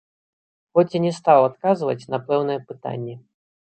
Хоць і не стаў адказваць на пэўныя пытанні.